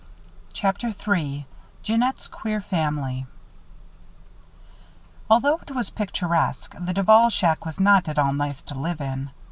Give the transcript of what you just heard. CHAPTER III JEANNETTE'S QUEER FAMILY Although it was picturesque, the Duval shack was not at all nice to live in.